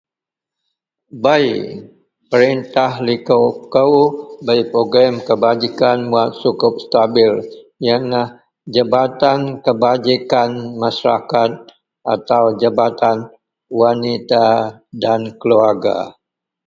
Bei perintah likou kou nei program kebajikan wak sukup stabil yenlah Jabatan Kebajikan Masyarakat atau Jabatan Wanita dan Keluwarga.